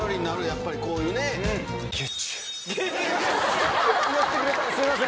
やっぱりこういうね寄ってくれたすいません